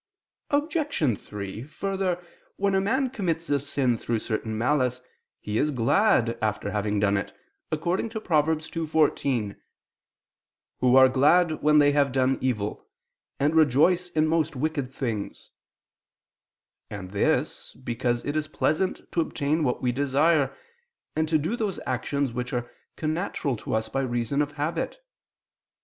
Obj. 3: Further, when a man commits a sin through certain malice, he is glad after having done it, according to Prov. 2:14: "Who are glad when they have done evil, and rejoice in most wicked things": and this, because it is pleasant to obtain what we desire, and to do those actions which are connatural to us by reason of habit.